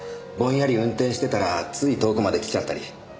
ぼんやり運転してたらつい遠くまで来ちゃったり。